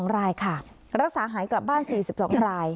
๒รายค่ะรักษาหายกลับบ้าน๔๒ราย